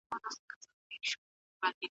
ایا لوی صادروونکي وچ توت صادروي؟